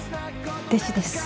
弟子です。